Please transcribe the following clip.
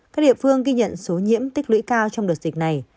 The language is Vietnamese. các địa phương ghi nhận số nhiễm tích lũy cao trong đợt dịch này